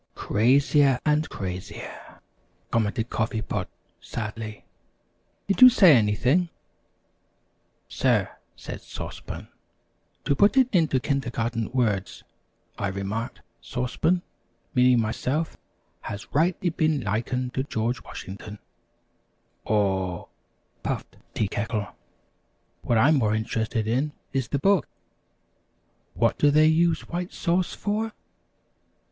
"Crazier and crazier!" commented Coffee Pot, sadly. "Did you say anything?" "Sir," said Sauce Pan, "to put it into kindergarten words, I remarked, Sauce Pan, meaning myself, has rightly been likened to George Washington " [Illustration: "Likened to George Washington"] "Aw !" puffed Tea Kettle, "what I'm more interested in is the book. What do they use White Sauce for?"